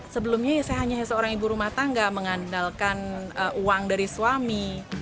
sebelumnya saya hanya seorang ibu rumah tangga mengandalkan uang dari suami